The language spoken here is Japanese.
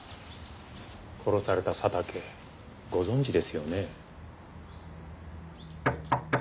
殺された佐竹ご存じですよね？